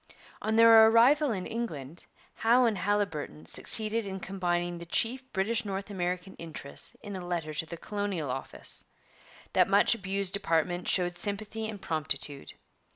On their arrival in England, Howe and Haliburton succeeded in combining the chief British North American interests in a letter to the Colonial Office. That much abused department showed sympathy and promptitude.